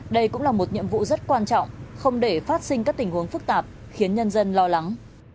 đây cũng là một nhiệm vụ rất quan trọng không để phát sinh các tình huống phức tạp khiến nhân dân lo lắng